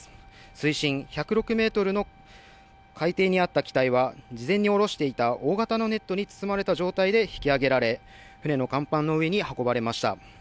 水深１０６メートルの海底にあった機体は、事前におろしていた大型のネットに包まれた状態で引き揚げられ、船の甲板の上に運ばれました。